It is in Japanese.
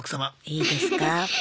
いいですか？